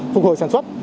phục hồi sản xuất